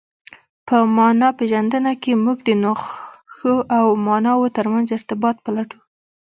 په مانا پېژندنه کښي موږ د نخښو او ماناوو ترمنځ ارتباط پلټو.